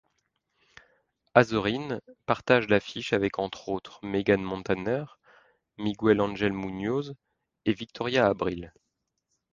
Azorin partage l'affiche avec, entre autres, Megan Montaner, Miguel Angel Munoz et Victoria Abril.